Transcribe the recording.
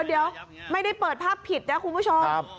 เดี๋ยวไม่ได้เปิดภาพผิดนะคุณผู้ชม